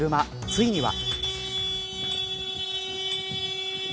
ついには。